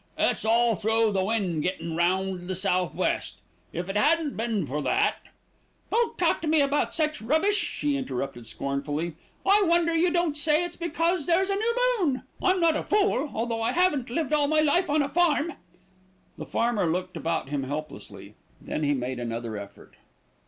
"It's all through the wind gettin' round to the sou'west. If it hadn't been for that " "Don't talk to me about such rubbish," she interrupted scornfully. "I wonder you don't say it's because there's a new moon. I'm not a fool, although I haven't lived all my life on a farm." The farmer looked about him helplessly. Then he made another effort.